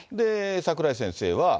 櫻井先生は。